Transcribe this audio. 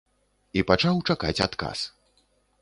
І пачаў чакаць адказ.